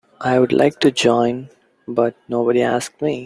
I'd like to join but nobody asked me.